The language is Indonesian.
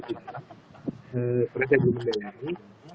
karena saya belum melayani